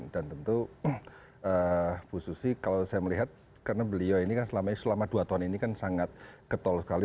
dan tentu bu susi kalau saya melihat karena beliau ini kan selama dua tahun ini kan sangat ketol sekali